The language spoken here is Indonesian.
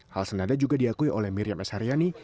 hal senada juga diakui oleh miriam s haryani